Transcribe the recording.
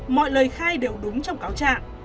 mọi lời khai đều đúng trong cáo trạng